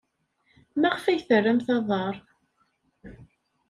Maɣef ay terramt aḍar?